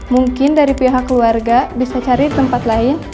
mungkin dari pihak keluarga bisa cari tempat lain